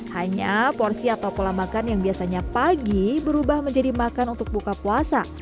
hanya porsi atau pola makan yang biasanya pagi berubah menjadi makan untuk buka puasa